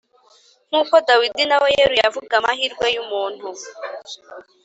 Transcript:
nk'uko Dawidi nawe yeruye avuga amahirwe y'umuntu,